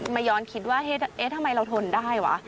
มาย้อนคิดว่าเอ๊ะทำไมเราทนได้วะ